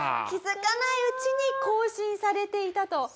気づかないうちに更新されていたと。